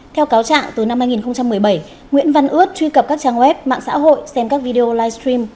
theo cáo trạng từ năm hai nghìn một mươi bảy nguyễn văn ướt truy cập các trang web mạng xã hội xem các video livestream